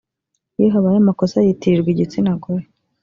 iyo habaye amakosa yitirirwa igitsina gore